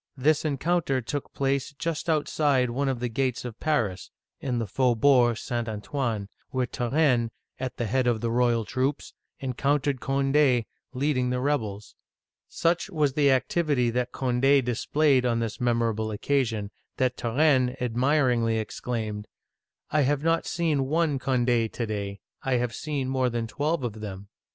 This encounter took place just outside one of the gates of Paris (in the Faubourg St. Antoine), where Turenne, at the head of the royal troops, encountered Cond6, lead ing the rebels. Such was the activity which Cond6 dis played on this memorable occasion that Turenne admiringly uigiTizea Dy VJjOOQIv^ LOUIS XIV. (1643 1715) 323 exclaimed, "I have not seen one Cond6 to day; I have seen more than twelve of them